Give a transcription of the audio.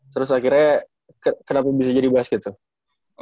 terus akhirnya kenapa bisa jadi basket tuh